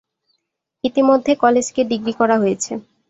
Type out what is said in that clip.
ইতিমধ্যে কলেজ কে ডিগ্রি করা হয়েছে।